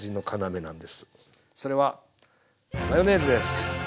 それはマヨネーズです！